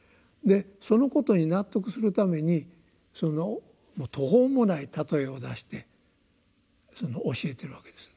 そのことに納得するために途方もない例えを出して教えてるわけです。